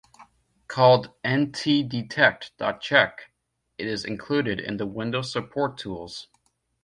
Called ntdetect.chk, it is included in the Windows Support Tools.